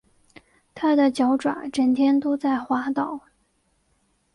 它的脚爪整天都在滑倒